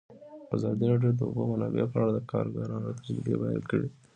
ازادي راډیو د د اوبو منابع په اړه د کارګرانو تجربې بیان کړي.